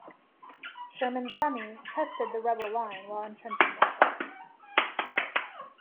Sherman's army tested the Rebel line while entrenching themselves.